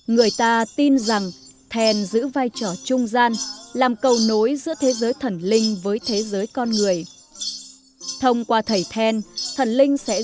người ta tin rằng then giữ vai trò trung gian làm cầu nhận được sự đồng ý của thần linh